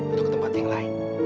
atau ke tempat yang lain